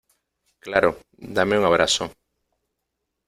Claro. Dame un abrazo .